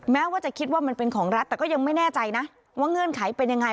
แม้ว่าจะคิดว่ามันเป็นของรัฐแต่ก็ยังไม่แน่ใจนะว่าเงื่อนไขเป็นยังไง